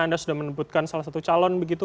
anda sudah menemukan salah satu calon